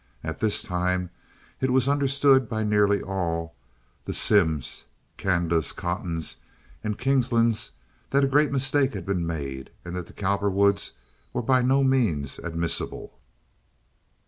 At this time it was understood by nearly all—the Simms, Candas, Cottons, and Kingslands—that a great mistake had been made, and that the Cowperwoods were by no means admissible.